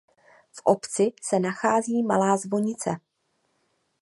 V obci se nachází malá zvonice.